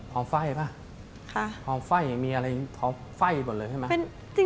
พองไฟ่ป่ะพองไฟ่มีอะไรพองไฟ่อีกหมดเลยใช่ไหม